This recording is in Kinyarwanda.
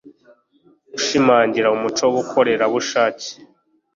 gushimangira umuco w'ubukorerabushake